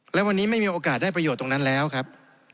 และวันนี้ไม่มีโอกาสได้ประโยชน์ตรงนั้นแล้วครับ